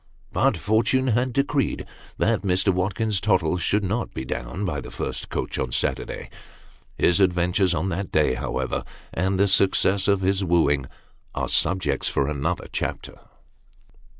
But fortune had decreed that Mr. Watkins Tottle should not be down by the first coach on Saturday. His adventures on that day, however, and the succcess of his wooing, are subjects for another chapter.